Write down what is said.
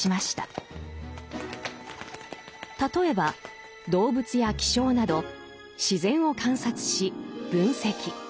例えば動物や気象など自然を観察し分析。